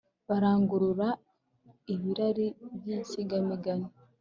barangurura ibirari by’insigamigani